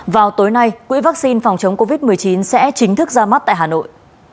vào tối nay quỹ vaccine phòng chống covid một mươi chín sẽ chính thức ra mắt tại hà nội